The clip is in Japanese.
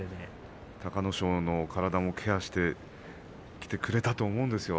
隆の勝の体もケアしてきてくれたと思うんですよ。